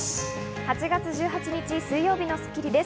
８月１８日、水曜日の『スッキリ』です。